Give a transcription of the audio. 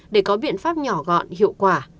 để có biện pháp nhỏ gọn hiệu quả